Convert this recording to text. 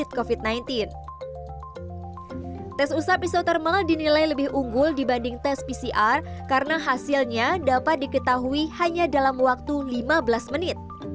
tes usap isotermal dinilai lebih unggul dibanding tes pcr karena hasilnya dapat diketahui hanya dalam waktu lima belas menit